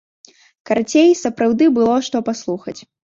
Карацей, сапраўды было што паслухаць.